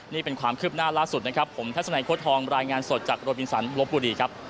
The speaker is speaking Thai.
นี่เป็นความคืบหน้าล่าสุดนะครับผมทัศนัยโค้ทองรายงานสดจากโรบินสันลบบุรีครับ